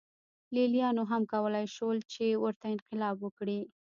لېلیانو هم کولای شول چې ورته انقلاب وکړي.